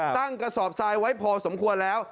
กระสอบทรายไว้พอสมควรแล้ว